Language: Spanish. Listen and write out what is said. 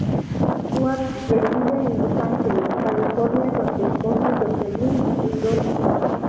Stuart reside en Los Ángeles, California con su esposa Jocelyn y sus dos hijos.